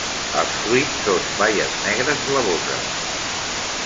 Els fruits són baies negres blavoses.